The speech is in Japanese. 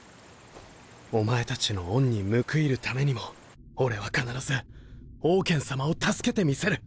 お前たちの恩に報いるためにも俺は必ずオウケン様を助けてみせる！